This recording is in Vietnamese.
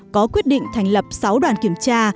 có quyết định thành lập sáu đoàn kiểm tra